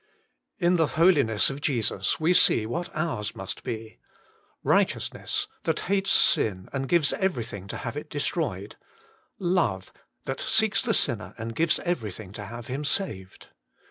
1. In the holiness of Jesus we see what ours must be : righteousness, thai hates sin and gives everything to have it destroyed ; love, that seeks the sinner and gives everything to have him saved.